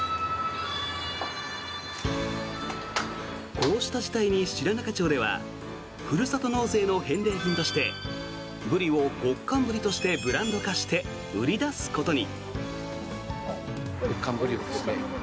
こうした事態に、白糠町ではふるさと納税の返礼品としてブリを極寒ブリとしてブランド化して売り出すことに。